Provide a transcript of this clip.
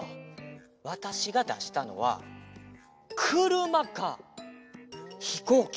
わたしがだしたのはくるまかひこうき！